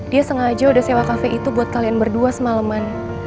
dia sengaja udah sewa kafe itu buat kalian berdua semalaman